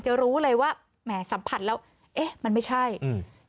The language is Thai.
รู้เลยว่าแหมสัมผัสแล้วเอ๊ะมันไม่ใช่อืม